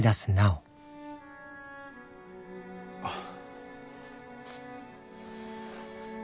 あっ。